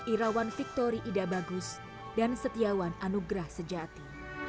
irawan victoria ida bagus dan setiawan anugrah sejati